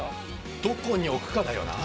どこに置くかだよなあ。